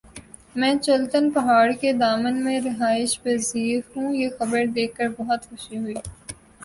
میں چلتن پہاڑ کے دامن میں رہائش پزیر ھوں یہ خبر دیکھ کر بہت خوشی ہوئ